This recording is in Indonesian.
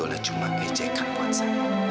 atau sebetulnya cuma ejekan buat saya